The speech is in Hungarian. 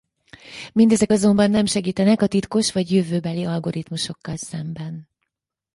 Mindezek azonban nem segítenek a titkos vagy jövőbeli algoritmusokkal szemben.